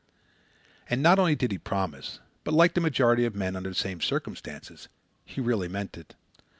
And not only did he promise, but, like the majority of men under the same circumstances, he really meant it.